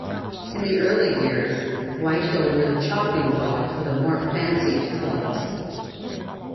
In the early years, Whitehill were the chopping block for the more fancied clubs.